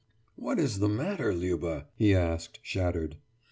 »What is the matter, Liuba?« he asked, shattered.